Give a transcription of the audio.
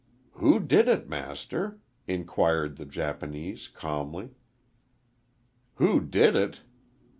"Who did it, Master?" inquired the Japanese, calmly. "Who did it!"